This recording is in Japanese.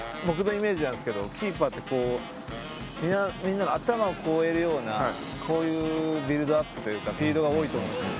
キーパーってこうみんなの頭を越えるようなこういうビルドアップというかフィードが多いと思うんですよ。